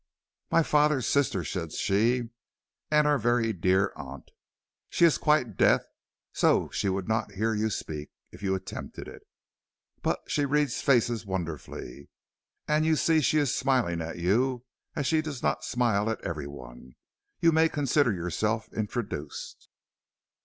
"My father's sister," said she, "and our very dear aunt. She is quite deaf, so she would not hear you speak if you attempted it, but she reads faces wonderfully, and you see she is smiling at you as she does not smile at every one. You may consider yourself introduced."